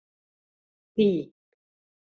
Пий: